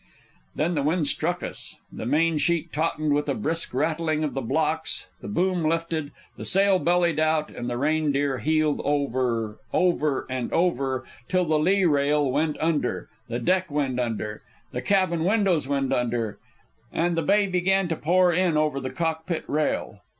Then the wind struck us. The mainsheet tautened with a brisk rattling of the blocks, the boom uplifted, the sail bellied out, and the Reindeer heeled over over, and over, till the lee rail went under, the deck went under, the cabin windows went under, and the bay began to pour in over the cockpit rail.